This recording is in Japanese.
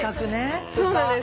そうなんです。